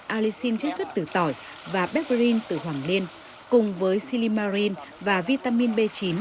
alisin chất xuất từ tỏi và peperine từ hoàng liên cùng với silimarin và vitamin b chín